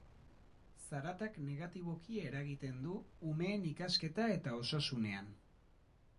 Zaratak negatiboki eragiten du umeen ikasketa eta osasunean.